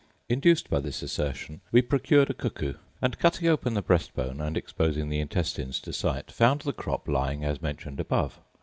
Induced by this assertion, we procured a cuckoo; and, cutting open the breast bone, and exposing the intestines to sight, found the crop lying as mentioned above.